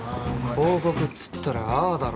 広告つったらああだろ。